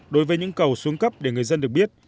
đối với những cầu xuống cấp để người dân được biết